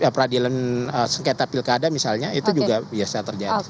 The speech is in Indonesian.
peradilan sengketa pilkada misalnya itu juga biasa terjadi